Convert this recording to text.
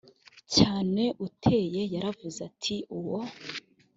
cyane uteye yaravuze ati uwo